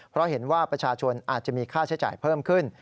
เพราะเห็นว่าประชาชนอาจจะมีค่าใช้จ่ายเพิ่มขึ้น